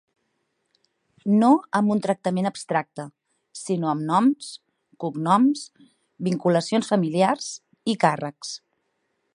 No amb un tractament abstracte, sinó amb noms, cognoms, vinculacions familiars i càrrecs.